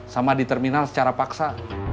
sama di terminal secara paksa